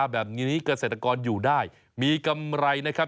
แบบนี้เกษตรกรอยู่ได้มีกำไรนะครับ